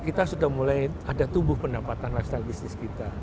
kita sudah mulai ada tumbuh pendapatan lifestyle business kita